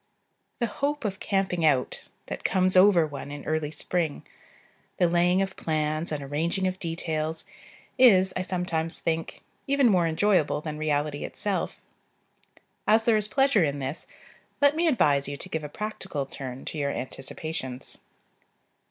The hope of camping out that comes over one in early spring, the laying of plans and arranging of details, is, I sometimes think, even more enjoyable than reality itself. As there is pleasure in this, let me advise you to give a practical turn to your anticipations.